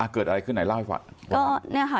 เกิดอะไรขึ้นไหนเล่าให้ฟัง